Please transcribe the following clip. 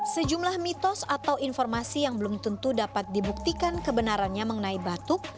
sejumlah mitos atau informasi yang belum tentu dapat dibuktikan kebenarannya mengenai batuk